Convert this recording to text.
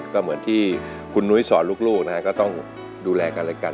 ก็เหมือนที่คุณนุ้ยสอนลูกนะฮะก็ต้องดูแลกันและกัน